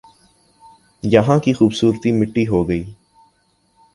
یہاں کی خوبصورتی مٹی ہو گئی